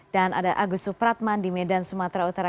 dan ada agus supratman di medan sumatera utara